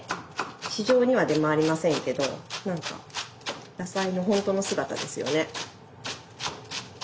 市場には出回りませんけどなんか野菜のほんとの姿ですよね。